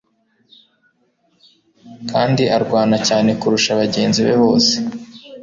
kandi arwana cyane kurusha bagenzi be bose